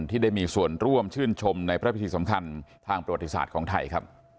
ที่ได้มีส่วนร่วมชื่นชมในพระพิธีสำคัญทางประวัติศาสตร์ของไทย